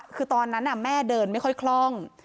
คือตอนนั้นแม่เดินไม่ค่อยคล่อง